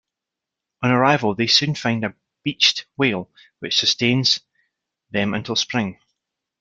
On arrival, they soon find a beached whale which sustains them until spring.